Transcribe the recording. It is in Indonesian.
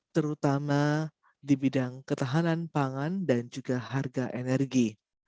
terutama di bidang ketahanan pangan dan juga harga energi